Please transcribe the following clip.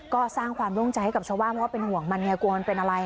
ก็สร้างความร่วมใจให้กับชาวบ้านเพราะว่าเป็นห่วงมันไงกลัวมันเป็นอะไร